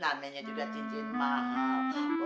namanya juga cincin mahal